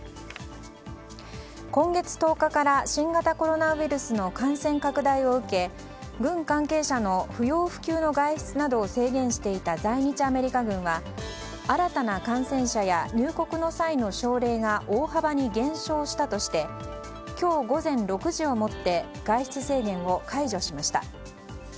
今月１０日から新型コロナウイルスの感染拡大を受け軍関係者の不要不急の外出などを制限していた在日アメリカ軍は新たな感染者や入国の際の症例が大幅に減少したとして今日午前６時をもって外出制限を解除しました。